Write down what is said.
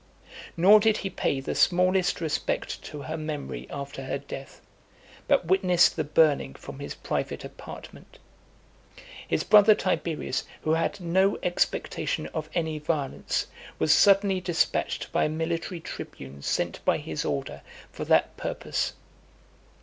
Nor did he pay the smallest respect to her memory after her death, but witnessed the burning from his private apartment. His brother Tiberius, who had no expectation of any violence, was suddenly dispatched by a military tribune sent by his order for that purpose.